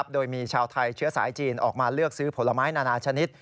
โดยมีชาวไทยเชื้อสายจีนออกมาเลือกซื้อผลไม้นานาชนิด